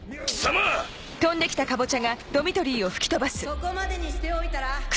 そこまでにしておいたら？